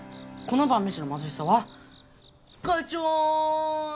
この晩飯の貧しさはガチョン！